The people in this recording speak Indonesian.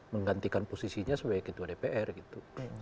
menggantikan posisinya sebagai ketua dpr gitu